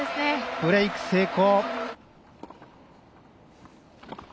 ブレーク成功。